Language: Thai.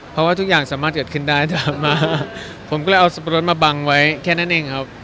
เพราะว่าทุกอย่างสามารถเกิดขึ้นได้ตามมาผมก็เลยเอาสับปะรดมาบังไว้แค่นั้นเองครับ